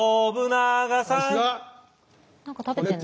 何か食べてんな。